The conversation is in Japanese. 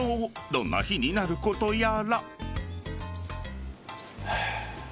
どんな日になることやら］